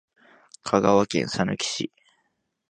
香川県さぬき市